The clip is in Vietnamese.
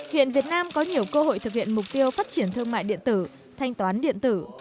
hiện việt nam có nhiều cơ hội thực hiện mục tiêu phát triển thương mại điện tử thanh toán điện tử